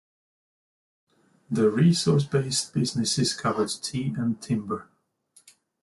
The resource-based businesses covered tea and timber.